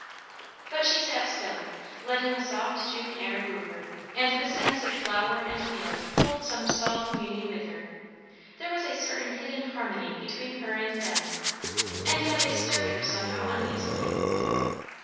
But she sat still, letting the soft June air woo her, and the scents of flower and field hold some subtle communion with her. There was a certain hidden harmony between her and them; and yet they stirred her somehow uneasily.